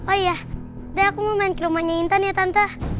oh iya dari aku mau main ke rumahnya intan ya tanta